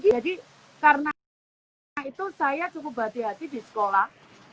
jadi karena itu saya cukup hati hati di sekolah